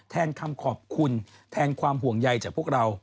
แทนคำขอบคุณแทนความห่วงใยจากพวกเรา